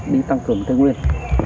đi tăng cường thê nguyên